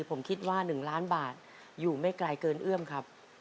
ผมคิดว่า๑ล้านบาทอยู่ไม่ไกลเกินเอื้อมครับ